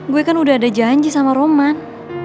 gue kan udah ada janji sama roman